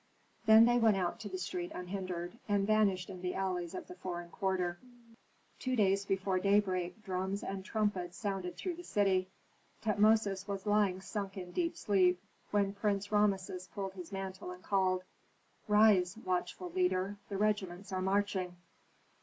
Then they went out to the street unhindered, and vanished in the alleys of the foreign quarter. Two hours before daybreak drums and trumpets sounded through the city. Tutmosis was lying sunk in deep sleep, when Prince Rameses pulled his mantle, and called, "Rise, watchful leader. The regiments are marching!"